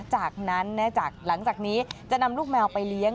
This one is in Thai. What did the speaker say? จากนั้นหลังจากนี้จะนำลูกแมวไปเลี้ยง